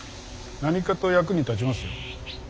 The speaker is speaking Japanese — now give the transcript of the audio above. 何かと役に立ちますよ。